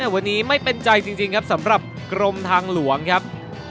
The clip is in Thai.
วันนี้ไม่เป็นใจจริงครับสำหรับกรมทางหลวงครับ